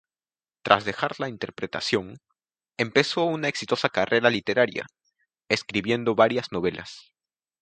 Tras dejar la interpretación, empezó una exitosa carrera literaria, escribiendo varias novelas.